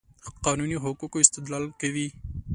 قانوني حقوقو استدلال کوي.